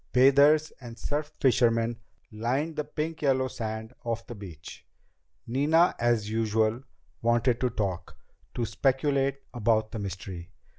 Bathers and surf fishermen lined the pink yellow sand of the beach. Nina, as usual, wanted to talk, to speculate about the mystery.